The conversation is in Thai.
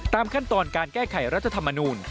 ตามขั้นตอนการแก้ไขรัฐธรรมนูล